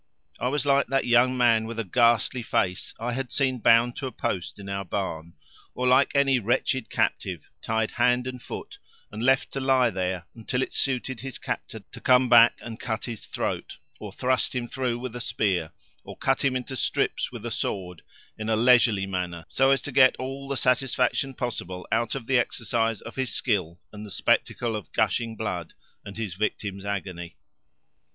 I was like that young man with a ghastly face I had seen bound to a post in our barn; or like any wretched captive, tied hand and foot and left to lie there until it suited his captor to come back and cut his throat or thrust him through with a spear, or cut him into strips with a sword, in a leisurely manner so as to get all the satisfaction possible out of the exercise of his skill and the spectacle of gushing blood and his victim's agony.